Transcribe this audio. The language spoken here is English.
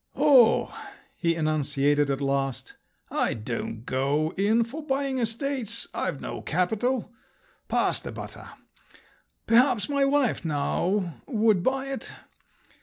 "Oh," he enunciated at last…. "I don't go in for buying estates; I've no capital. Pass the butter. Perhaps my wife now would buy it.